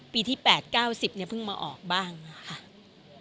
ปีที่๘๙๐เนี่ยเพิ่งมาออกบ้างค่ะ